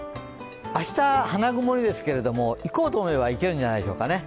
明日、花曇りですけども行こうと思えば行けるんじゃないでしょうかね。